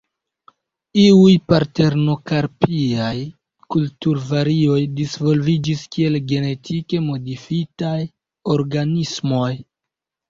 Iuj partenokarpiaj kulturvarioj disvolviĝis kiel genetike modifitaj organismoj.